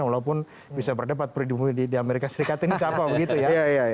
walaupun bisa berdebat pribumi di amerika serikat ini siapa begitu ya